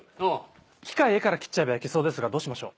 機械画から切っちゃえばいけそうですがどうしましょう？